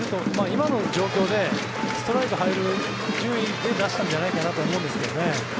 今の状況でストライク入る順位で出したんじゃないかと思うんですけどね。